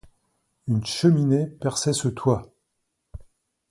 Une cheminée perçait ce toit.